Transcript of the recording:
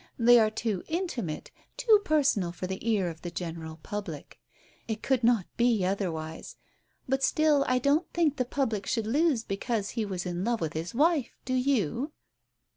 They are too intimate, too personal for the ear of the general public. It could not be otherwise. But, still, I don't think the public should lose because he was in love with his wife, do you